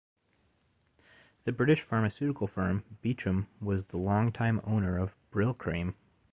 The British pharmaceutical firm Beecham was the longtime owner of Brylcreem.